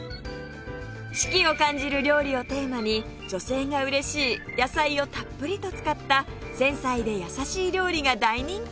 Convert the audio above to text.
四季を感じる料理をテーマに女性が嬉しい野菜をたっぷりと使った繊細で優しい料理が大人気